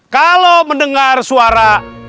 kalau mendengar suara